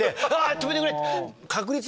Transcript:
止めてくれ！